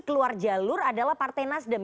keluar jalur adalah partai nasdem